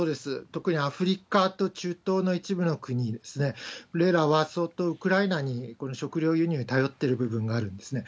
特にアフリカと中東の一部の国ですね、それらは相当ウクライナに食料輸入、頼ってる部分があるんですね。